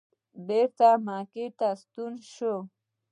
بېرته مکې ته راستون شو.